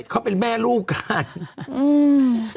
แม่ให้ผู้ยาวไหม